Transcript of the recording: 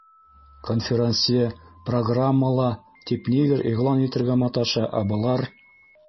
Конферансье «Программала...» тип ниҙер иғлан итергә маташа, ә былар: